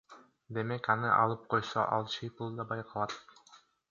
Демек аны алып койсо ал чыйпылдабай калат.